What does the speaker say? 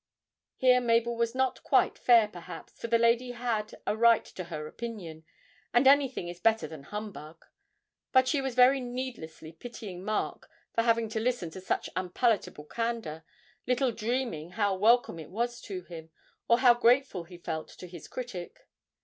Here Mabel was not quite fair, perhaps, for the lady had a right to her opinion, and anything is better than humbug. But she was very needlessly pitying Mark for having to listen to such unpalatable candour, little dreaming how welcome it was to him, or how grateful he felt to his critic.